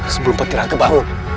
sebelum patiraga bangun